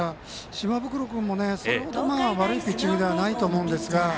島袋君も、それほど悪いピッチングではないと思うんですが。